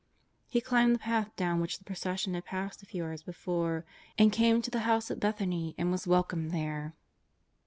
He climbed the path down which the procession had passed a few hours before, and came to the house at Bethany and was welcomed there.